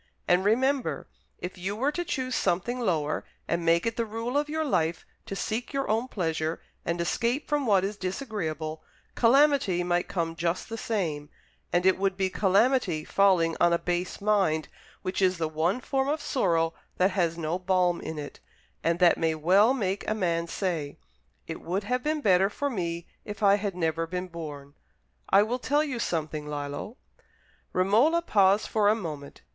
And remember, if you were to choose something lower, and make it the rule of your life to seek your own pleasure and escape from what is disagreeable, calamity might come just the same; and it would be calamity falling on a base mind, which is the one form of sorrow that has no balm in it, and that may well make a man say, 'It would have been better for me if I had never been born.' I will tell you something, Lillo." Romola paused for a moment.